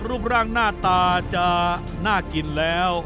รูปร่างหน้าตาจะน่ากินแล้ว